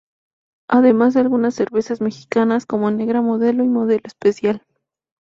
Además de algunas cervezas mexicanas como Negra Modelo y Modelo Especial.